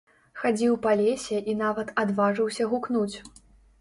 Хадзіў па лесе і нават адважыўся гукнуць.